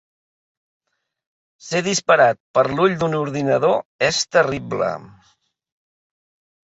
Ser disparat per l"ull d"un ordinador és terrible.